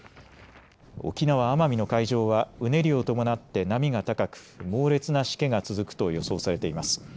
沖縄・奄美の海上はうねりを伴って波が高く猛烈なしけが続くと予想されています。